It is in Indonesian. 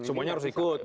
semuanya harus ikut